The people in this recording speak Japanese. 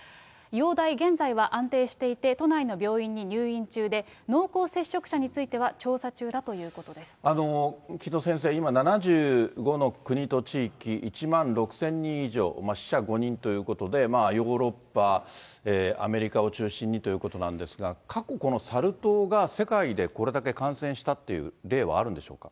容体、現在は安定していて、都内の病院に入院中で、濃厚接触者については調査中だということ城戸先生、今、７５の国と地域、１万６０００人以上、死者５人ということで、ヨーロッパ、アメリカを中心にということなんですが、過去、このサル痘が世界でこれだけ感染したっていう例はあるんでしょう